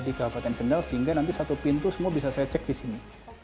di kabupaten kendal sehingga nanti satu pintu semua bisa saya cek di sini